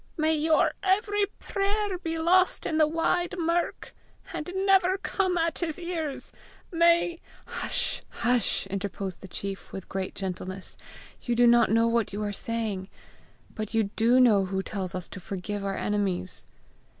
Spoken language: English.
May your every prayer be lost in the wide murk, and never come at his ears! May " "Hush! hush!" interposed the chief with great gentleness. "You do not know what you are saying. But you do know who tells us to forgive our enemies!"